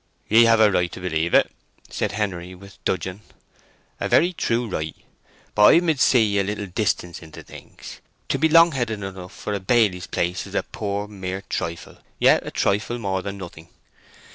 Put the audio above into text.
"Ye have a right to believe it," said Henery, with dudgeon; "a very true right. But I mid see a little distance into things! To be long headed enough for a baily's place is a poor mere trifle—yet a trifle more than nothing.